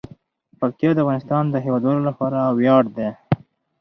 پکتیا د افغانستان د هیوادوالو لپاره ویاړ دی.